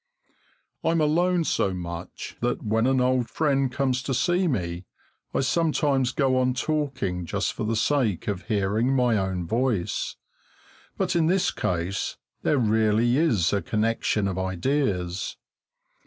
I'm alone so much that when an old friend comes to see me, I sometimes go on talking just for the sake of hearing my own voice. But in this case there is really a connection of ideas.